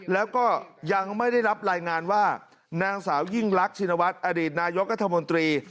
แล้วก็ยังไม่ได้รับรายงานว่านางสาวยิ่งรักชินวัฒน์อดีตนายกรัฐมนตรี